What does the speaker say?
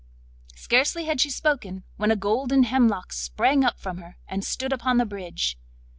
Scarcely had she spoken when a golden hemlock sprang up from her, and stood upon the bridge.